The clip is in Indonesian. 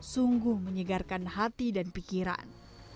sungguh menyegarkan hati dan pikiran